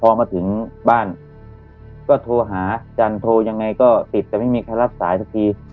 พอมาถึงบ้านก็โทรหาอาจารย์โทรยังไงก็ติดแต่ไม่มีใครรับสายสักที